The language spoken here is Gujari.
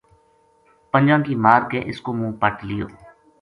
پنجاں کی مار کے اس کو منہ پَٹ لیو